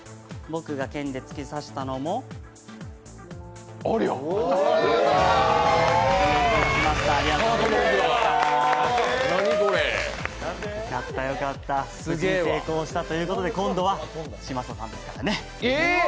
僕が剣で突き刺したのもよかったよかった、無事成功したということで今度は嶋佐さんですからね。